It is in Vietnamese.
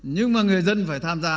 nhưng mà người dân phải tham gia